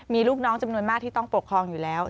มีลูกน้องจำนวนมากที่ต้องปกครองอยู่แล้ว